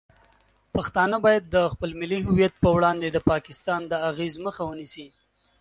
پښتانه باید د خپل ملي هویت په وړاندې د پاکستان د اغیز مخه ونیسي.